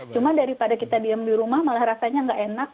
cuma daripada kita diam di rumah malah rasanya nggak enak